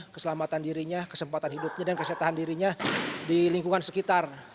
keselamatan dirinya kesempatan hidupnya dan kesehatan dirinya di lingkungan sekitar